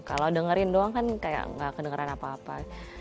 kalau dengerin doang kan kayak gak kedengeran apa apa